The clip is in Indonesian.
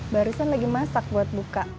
barisan lagi masak buat buka